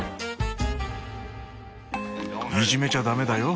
いじめちゃダメだよ。